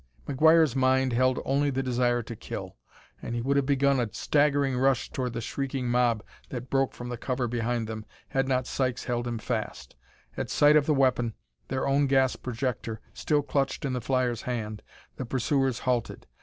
McGuire's mind held only the desire to kill, and he would have begun a staggering rush toward the shrieking mob that broke from the cover behind them, had not Sykes held him fast. At sight of the weapon, their own gas projector, still clutched in the flyer's hand, the pursuers halted.